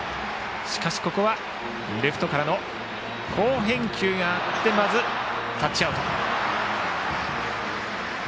しかしここはレフトからの好返球があってまずタッチアウト。